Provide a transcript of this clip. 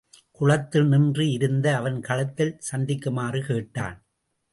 குளத்தில் நின்று இருந்த அவன் களத்தில் சந்திக்குமாறு கேட்டான்.